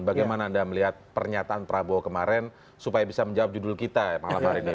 bagaimana anda melihat pernyataan prabowo kemarin supaya bisa menjawab judul kita malam hari ini